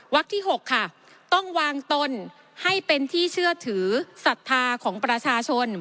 วักที่๖ค่ะ